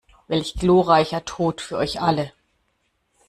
Welch glorreicher Tod für euch alle!